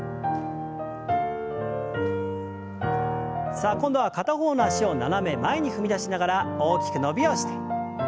さあ今度は片方の脚を斜め前に踏み出しながら大きく伸びをして。